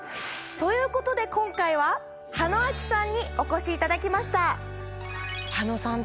ということで今回は羽野晶紀さんにお越しいただきました！